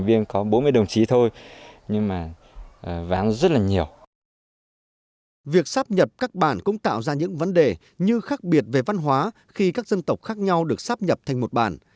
việc sắp nhập các bản cũng tạo ra những vấn đề như khác biệt về văn hóa khi các dân tộc khác nhau được sắp nhập thành một bản